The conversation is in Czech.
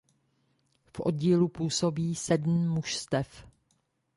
V oddílu působí sedm mužstev.